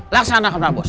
laksanakan pak bos